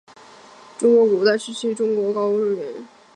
中国上古时期产生于中国中原地区。